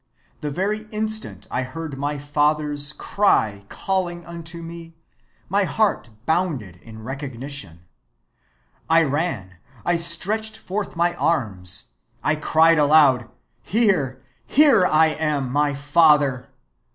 The very instant I heard my Father's cry calling unto me, my heart bounded in recognition. I ran, I stretched forth my arms, I cried aloud, 'Here, here I am, my Father.